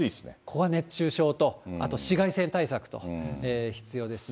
ここは熱中症と、あと紫外線対策と、必要ですね。